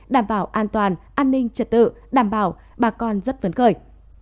đảm bảo an toàn an ninh trật tự đảm bảo bà con rất vấn khởi